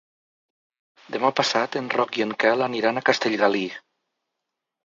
Demà passat en Roc i en Quel aniran a Castellgalí.